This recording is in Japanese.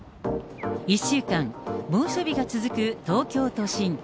１週間、猛暑日が続く東京都心。